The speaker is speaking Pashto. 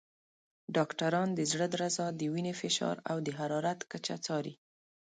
ډاکټران د زړه درزا، د وینې فشار، او د حرارت کچه څاري.